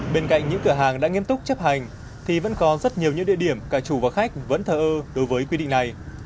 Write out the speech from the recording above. bên cạnh những cửa hàng đã nghiêm túc chấp hành thì vẫn có rất nhiều những địa điểm cả chủ và khách vẫn thở ơ đối với quy định này